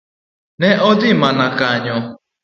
Ne odhi mana konyo.